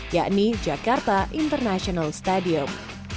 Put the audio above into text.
yakni jakarta international stadium